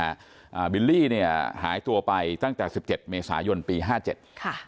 อ่าบิลลี่เนี่ยหายตัวไปตั้งแต่สิบเจ็ดเมษายนปีห้าเจ็ดค่ะ